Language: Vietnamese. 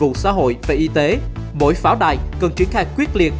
với các vụ xã hội và y tế mỗi pháo đài cần chuyển khai quyết liệt